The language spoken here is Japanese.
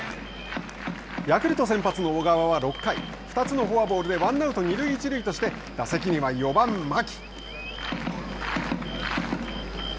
ヤクルト先発の小川は６回２つのフォアボールでワンアウト、二塁一塁として、打席には４番牧。